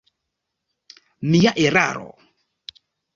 Mia eraro.